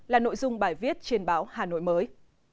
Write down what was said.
là nội dung bài viết trên báo hà nội mới